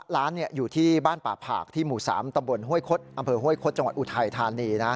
ร้านอยู่ที่บ้านป่าผากที่หมู่๓ตำบลห้วยคดอำเภอห้วยคดจังหวัดอุทัยธานี